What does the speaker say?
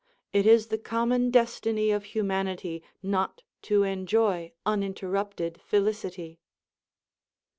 It is the common destiny of humanity not to enjoy uninterrupted felicity.